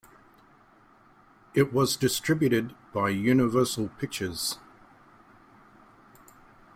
It was distributed by Universal Pictures.